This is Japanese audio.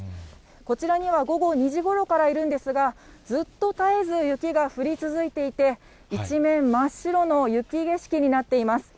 こちらには午後２時ごろからいるんですが、ずっと絶えず雪が降り続いていて、一面、真っ白の雪景色になっています。